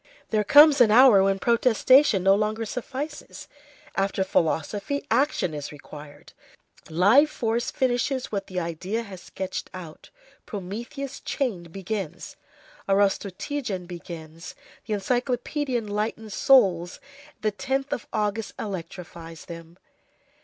There comes an hour when protestation no longer suffices; after philosophy, action is required; live force finishes what the idea has sketched out; Prometheus chained begins, Arostogeiton ends; the encyclopedia enlightens souls, the 10th of August electrifies them.